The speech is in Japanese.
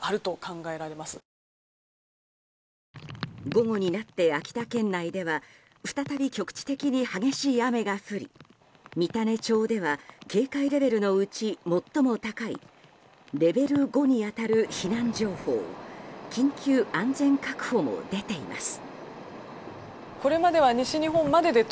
午後になって秋田県内では再び局地的に激しい雨が降り、三種町では警戒レベルのうち最も高いレベル５に当たる避難情報緊急安全確保も出ています。